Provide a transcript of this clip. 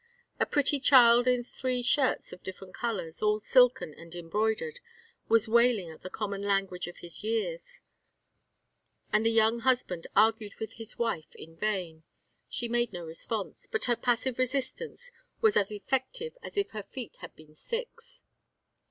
A pretty child in three shirts of different colors, all silken and embroidered, was wailing in the common language of his years, and the young husband argued with his wife in vain: she made no response, but her passive resistance was as effective as if her feet had been six.